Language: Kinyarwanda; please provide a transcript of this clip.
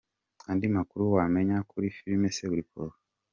Andi makuru wamenya kuri filime Seburikoko.